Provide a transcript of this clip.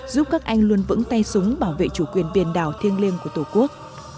giúp các anh luôn vững tay súng bảo vệ chủ quyền biển đảo thiêng liêng của tổ quốc